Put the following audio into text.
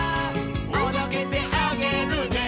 「おどけてあげるね」